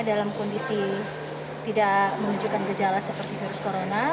dalam kondisi tidak menunjukkan gejala seperti virus corona